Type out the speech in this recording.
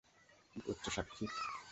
কি করছ সাক্ষী?